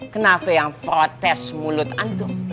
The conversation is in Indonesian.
kenapa yang protes mulut anda